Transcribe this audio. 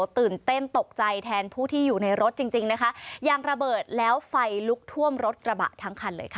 ตื่นเต้นตกใจแทนผู้ที่อยู่ในรถจริงจริงนะคะยางระเบิดแล้วไฟลุกท่วมรถกระบะทั้งคันเลยค่ะ